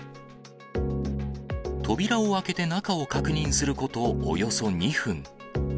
扉を開けて中を確認すること、およそ２分。